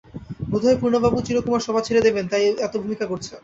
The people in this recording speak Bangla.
বোধ হয় পূর্ণবাবু চিরকুমার-সভা ছেড়ে দেবেন তাই এত ভূমিকা করছেন।